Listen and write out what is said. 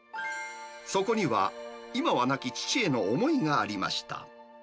そこには今は亡き父への思いがありました。